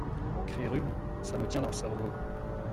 Cré rhume !… ça me tient dans le cerveau !